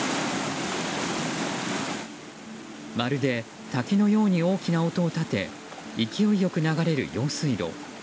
まるで滝のように大きな音を立て勢いよく流れる用水路。